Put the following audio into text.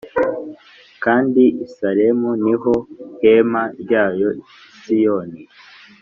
Kandi I Salemu Ni Ho Hema Ryayo I Siyoni